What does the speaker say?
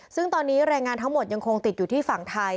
ซึ่งตอนนี้แรงงานทั้งหมดยังคงติดอยู่ที่ฝั่งไทย